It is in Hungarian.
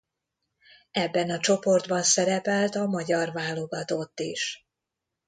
Ebben a csoportban szerepelt a magyar válogatott is.